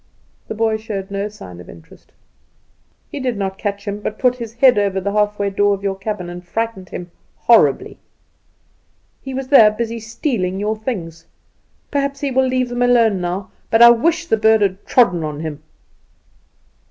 The boy showed no sign of interest. "He did not catch him; but he put his head over the half door of your cabin and frightened him horribly. He was there, busy stealing your things. Perhaps he will leave them alone now; but I wish the bird had trodden on him."